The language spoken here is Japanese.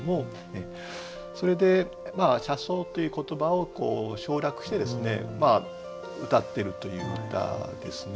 それで「車窓」という言葉を省略してうたってるという歌ですね。